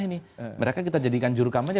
ini mereka kita jadikan jurukampanye